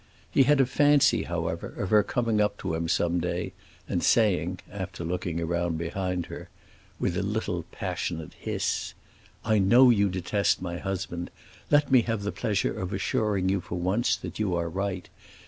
He had a fancy, however, of her coming up to him some day and saying (after looking around behind her) with a little passionate hiss, "I know you detest my husband; let me have the pleasure of assuring you for once that you are right.